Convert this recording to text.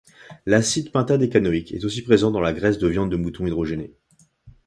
L'acide pentadécanoïque est aussi présent dans la graisse de viande de mouton hydrogénée.